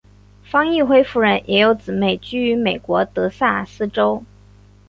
方奕辉夫人也有姊妹居于美国德萨斯州。